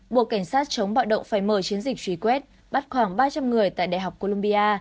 buộc cảnh sát chống bạo động phải mở chiến dịch truy quét bắt khoảng ba trăm linh người tại đại học columbia